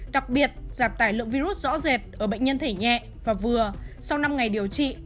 đặc biệt giảm tải lượng virus rõ rệt ở bệnh nhân thể nhẹ và vừa sau năm ngày điều trị